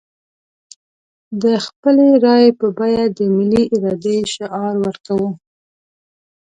د خپلې رايې په بيه د ملي ارادې شعار ورکوو.